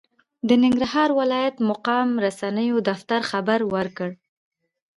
د ننګرهار ولايت مقام رسنیو دفتر خبر ورکړ،